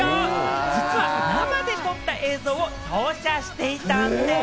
実は生で撮った映像を投射していたんです。